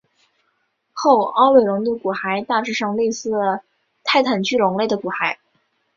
后凹尾龙的骨骸大致上类似泰坦巨龙类的骨骸。